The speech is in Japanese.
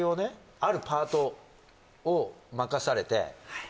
あるパートを任されてはい